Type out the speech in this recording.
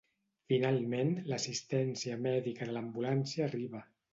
Finalment, l'assistència mèdica de l'ambulància arriba.